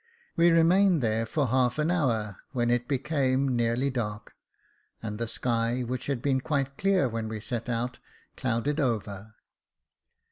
We remained there for half an hour, when it became nearly dark, and the sky, which had been quite clear when we set out, clouded over.